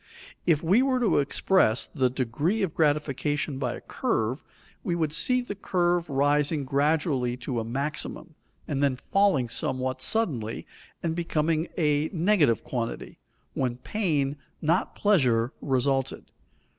If we were to express the degree of gratification by a curve, we should see the curve rising gradually to a maximum, and then falling somewhat suddenly and becoming a negative quantity, when pain, not pleasure, resulted.